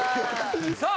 さあ！